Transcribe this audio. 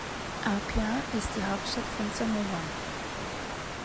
Apia ist die Hauptstadt von Samoa.